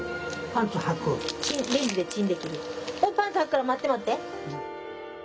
パンツはくから待って待って。